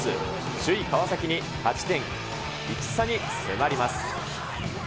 首位、川崎に勝ち点１差に迫ります。